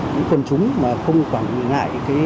những quân chúng mà không quảng ngại